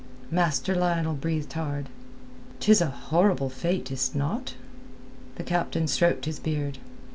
Master Lionel breathed hard. "'Tis a horrible fate, is't not?" The captain stroked his beard.